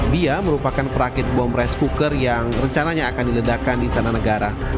dia merupakan perakit bom rice cooker yang rencananya akan diledakkan di tanah negara